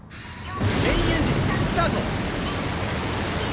・メインエンジンスタート。